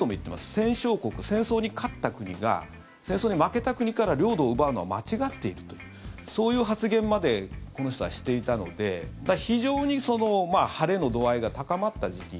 戦勝国、戦争に勝った国が戦争に負けた国から領土を奪うのは間違っているというそういう発言までこの人はしていたので非常に晴れの度合いが高まった時期。